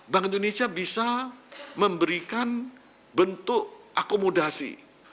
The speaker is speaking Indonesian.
bank indonesia bisa memberikan bentuk akomodasi